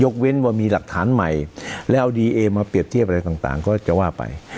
เว้นว่ามีหลักฐานใหม่แล้วเอาดีเอมาเปรียบเทียบอะไรต่างก็จะว่าไป